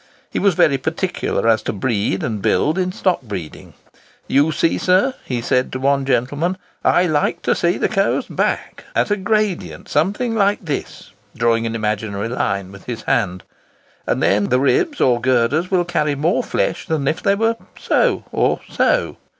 He was very particular as to breed and build in stock breeding. "You see, sir," he said to one gentleman, "I like to see the coo's back at a gradient something like this" (drawing an imaginary line with his hand), "and then the ribs or girders will carry more flesh than if they were so—or so."